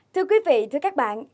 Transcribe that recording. thưa quý vị thưa các bạn